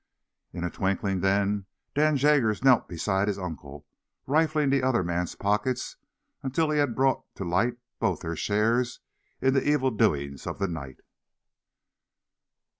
In a twinkling, then, Dan Jaggers knelt beside his uncle, rifling the other man's pockets until he had brought to light both their shares in the evil doing of the night.